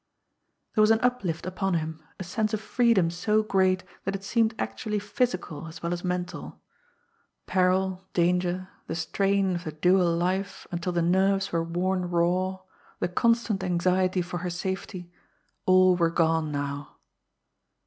There was an uplift upon him, a sense of freedom so great that it seemed actually physical as well as mental. Peril, danger, the strain of the dual life until the nerves were worn raw, the constant anxiety for her safety all were gone now.